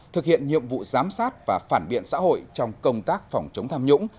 thực hiện nhiệm vụ giám sát và phản biện xã hội trong công tác phòng chống tham nhũng